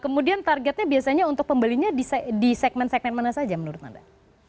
kemudian targetnya biasanya untuk pembelinya di segmen segmen mana saja menurut anda